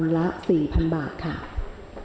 จะใช้อุปกรณ์ออกรางวัลหลักที่๓